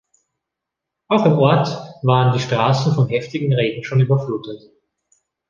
Auch im Ort waren die Straßen vom heftigen Regen schon überflutet.